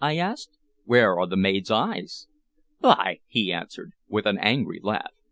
I asked. "Where are the maids' eyes?" "By !" he answered, with an angry laugh.